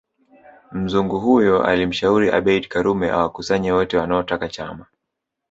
Mzungu huyo alimshauri Abeid Karume awakusanye wote wanaotaka chama